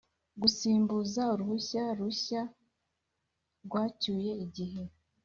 gusimbuza uruhushya rushya urwacyuye igihe;